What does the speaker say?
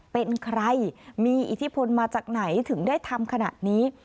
เป็นใครมีอิทธิพลมาจากไหนถึงได้ทำขนาดนี้